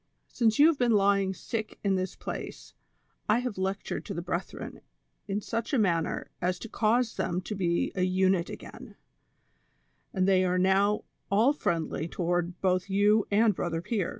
Since you have been lying sick in this place, I have lectured to the bretliren iu such a manner as to cause them to be a unit again, and tliey are now all 216 THE SOCIAL WAR OF 1900; OR, friendly toward both you and Brother Pier.